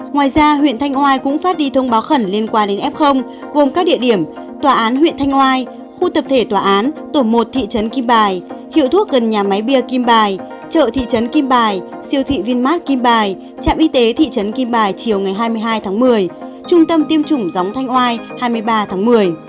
ngoài ra huyện thanh hoa cũng phát đi thông báo khẩn liên quan đến f gồm các địa điểm tòa án huyện thanh oai khu tập thể tòa án tổ một thị trấn kim bài hiệu thuốc gần nhà máy bia kim bài chợ thị trấn kim bài siêu thị vinmart kim bài trạm y tế thị trấn kim bài chiều ngày hai mươi hai tháng một mươi trung tâm tiêm chủng gióng thanh oai hai mươi ba tháng một mươi